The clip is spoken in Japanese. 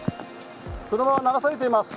車が流されています。